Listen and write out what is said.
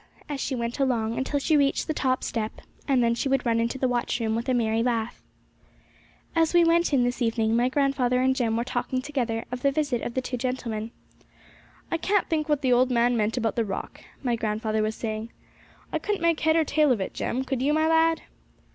as she went along, until she reached the top step, and then she would run into the watchroom with a merry laugh. As we went in this evening, my grandfather and Jem were talking together of the visit of the two gentlemen 'I can't think what the old man meant about the rock,' my grandfather was saying. 'I couldn't make head or tail of it, Jem; could you, my lad?'